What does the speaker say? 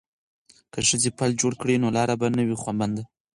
که ښځې پل جوړ کړي نو لاره به نه وي بنده.